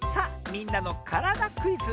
「みんなのからだクイズ」！